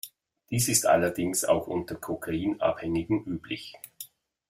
Dies ist allerdings auch unter Kokain-Abhängigen üblich.